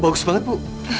bagus banget bu